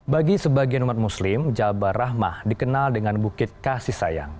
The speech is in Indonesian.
bagi sebagian umat muslim jabal rahmah dikenal dengan bukit kasih sayang